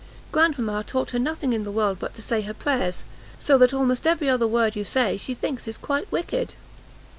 Grandmama taught her nothing in the world but to say her prayers, so that almost every other word you say, she thinks is quite wicked."